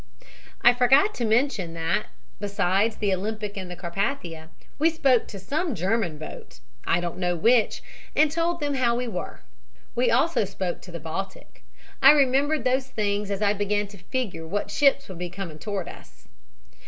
"I forgot to mention that, besides the Olympic and Carpathia, we spoke some German boat, I don't know which, and told them how we were. We also spoke the Baltic. I remembered those things as I began to figure what ships would be coming toward us.